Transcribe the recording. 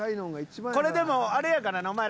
これでもあれやからな。